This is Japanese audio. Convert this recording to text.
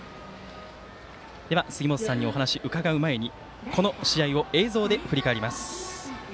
では、杉本さんにお話伺う前にこの試合を映像で振り返ります。